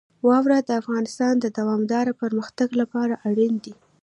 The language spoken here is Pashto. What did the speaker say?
واوره د افغانستان د دوامداره پرمختګ لپاره اړین دي.